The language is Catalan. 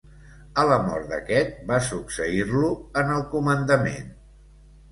A la mort d'aquest, va succeir-lo en el comandament.